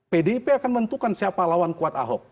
pdip akan menentukan siapa lawan kuat ahok